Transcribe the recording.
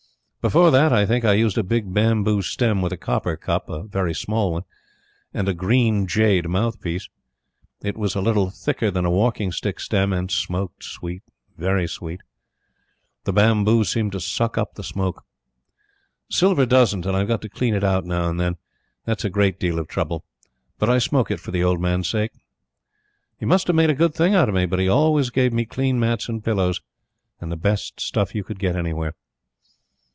Before that, I think, I used a big bamboo stem with a copper cup, a very small one, and a green jade mouthpiece. It was a little thicker than a walking stick stem, and smoked sweet, very sweet. The bamboo seemed to suck up the smoke. Silver doesn't, and I've got to clean it out now and then, that's a great deal of trouble, but I smoke it for the old man's sake. He must have made a good thing out of me, but he always gave me clean mats and pillows, and the best stuff you could get anywhere.